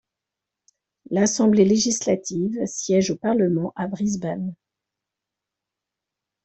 L’Assemblée législative siège au Parlement, à Brisbane.